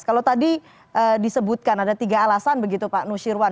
kalau tadi disebutkan ada tiga alasan begitu pak nusirwan